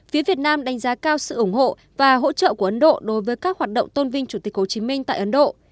phía việt nam đánh giá cao sự ủng hộ và hỗ trợ của ấn độ đối với các hoạt động tôn vinh chủ tịch hồ chí minh tại ấn độ